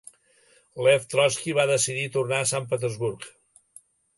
Lev Trotski va decidir tornar a Sant Petersburg.